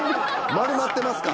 丸まってますか？